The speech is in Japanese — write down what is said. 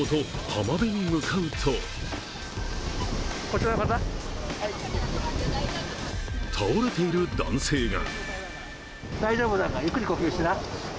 浜辺へ向かうと倒れている男性が。